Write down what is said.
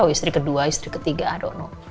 istri kedua istri ketiga i don't know